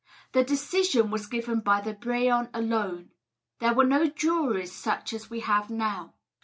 This decision was given by the brehon alone: there were no juries such as we have now.